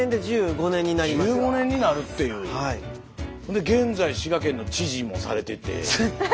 で現在滋賀県の知事もされてて。